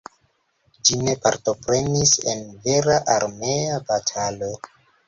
Ĝi ne partoprenis en vera armea batalo.